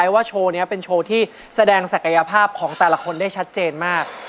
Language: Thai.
ว่าโชว์นี้เป็นโชว์ที่แสดงศักยภาพของแต่ละคนได้ชัดเจนมาก